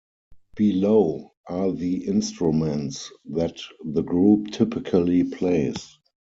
Below are the instruments that the group typically plays.